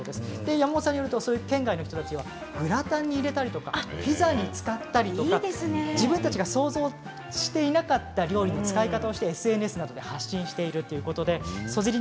山本さんによると県外の人たちはグラタンに入れたりピザに使ったり自分たちが想像もしていなかった料理の使い方をしてＳＮＳで発信しているということでそずり